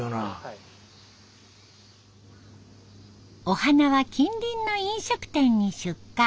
お花は近隣の飲食店に出荷。